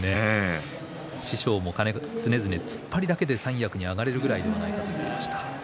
師匠も常々突っ張りだけで三役に上がれるぐらいじゃないかと言っていました。